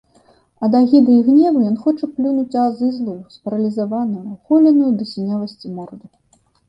Ад агіды і гневу ён хоча плюнуць у азызлую, спаралізаваную, голеную да сінявасці морду.